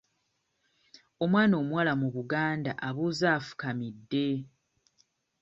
Omwana omuwala mu Buganda abuuza afukamidde.